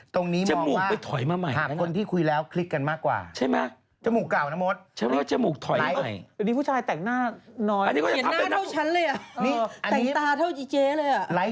ตรงนี้มองว่าถามคนที่คุยแล้วคลิกกันมากกว่าใช่ไหมจมูกไปถอยมาใหม่